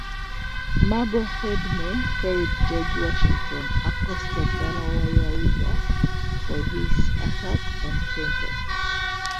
Marblehead men ferried George Washington across the Delaware River for his attack on Trenton.